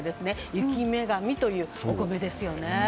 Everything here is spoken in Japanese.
雪女神というお米ですよね。